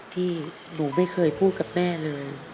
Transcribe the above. ที่หนูไม่เคยพูดกับแม่เลย